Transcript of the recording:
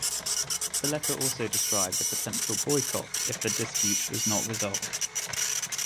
The letter also described a potential boycott if the dispute was not resolved.